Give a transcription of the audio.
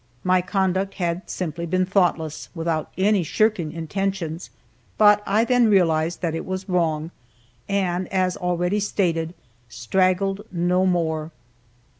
My conduct had simply been thoughtless, without any shirking intentions, but I then realized that it was wrong, and, as already stated, straggled no more.